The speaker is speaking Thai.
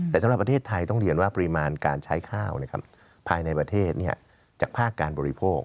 แต่สำหรับประเทศไทยต้องเรียนว่าปริมาณการใช้ข้าวภายในประเทศจากภาคการบริโภค